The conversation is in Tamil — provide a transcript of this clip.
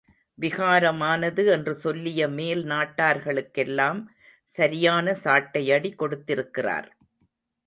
விகாரமானது என்று சொல்லிய மேல் நாட்டார்களுக்கெல்லாம் சரியான சாட்டையடி கொடுத்திருக்கிறார்.